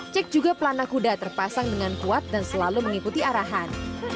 cek juga pelana kuda terpasang dengan kuat dan selalu mengikuti arahan